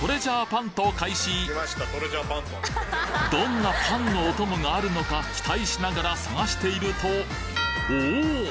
早速どんなパンのお供があるのか期待しながら探しているとおお！